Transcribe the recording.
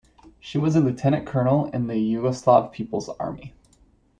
She was a lieutenant colonel in the Yugoslav People's Army.